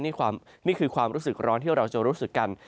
นี่คือความรู้สึกร้อนที่เราจะรู้สึกกัน